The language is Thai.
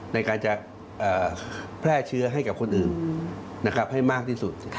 ในการจะแพร่เชื้อให้กับคนอื่นให้มากที่สุด